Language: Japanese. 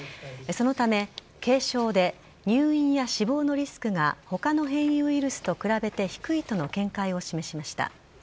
そのため、軽症で入院や死亡のリスクがほかの変異ウイルスと比べて低いとの見解を示しました。